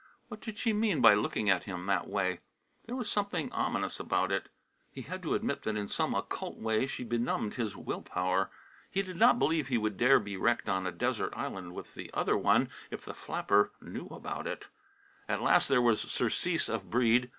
What did she mean by looking at him that way? There was something ominous about it. He had to admit that in some occult way she benumbed his will power. He did not believe he would dare be wrecked on a desert island with the other one, if the flapper knew about it. At last there was surcease of Breede.